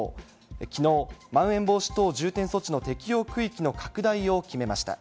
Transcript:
きのう、まん延防止等重点措置の適用区域の拡大を決めました。